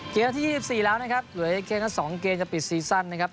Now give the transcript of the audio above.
เกมที่๒๔แล้วนะครับเหลือเกมทั้ง๒เกมจะปิดซีสันนะครับ